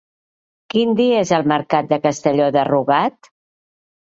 Quin dia és el mercat de Castelló de Rugat?